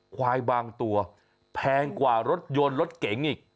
ควายบางตัวแพงกว่ารถยนต์รถเก๋งอีก